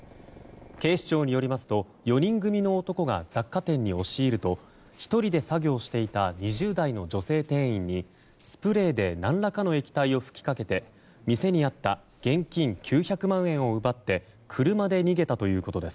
警視庁によりますと４人組の男が雑貨店に押し入ると１人で作業していた２０代の女性店員にスプレーで何らかの液体を吹きかけて店にあった現金９００万円を奪って車で逃げたということです。